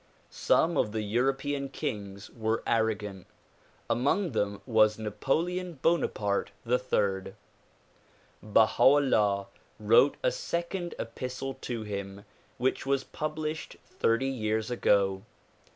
Some of the European kings were arrogant. Among them was Napoleon Bonaparte III. Baha 'Ullah wrote a second epistle to him which was published thirty years ago.